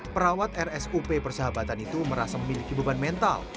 perawat rsup persahabatan itu merasa memiliki beban mental